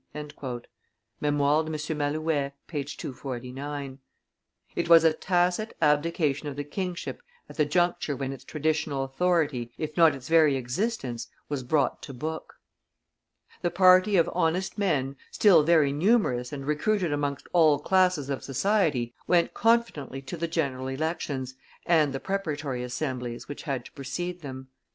[Memoires de M. Malouet, t. i. p. 249.] It was a tacit abdication of the kingship at the juncture when its traditional authority, if not its very existence, was brought to book. The party of honest men, still very numerous and recruited amongst all classes of society, went confidently to the general elections and preparatory assemblies which had to precede them.